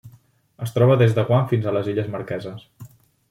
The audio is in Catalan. Es troba des de Guam fins a les Illes Marqueses.